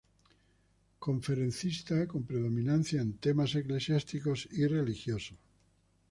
Conferencista con predominancia en temas eclesiásticos y religiosos.